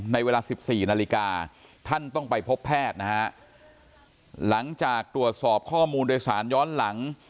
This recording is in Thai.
เวลา๑๔นาฬิกาท่านต้องไปพบแพทย์นะฮะหลังจากตรวจสอบข้อมูลโดยสารย้อนหลัง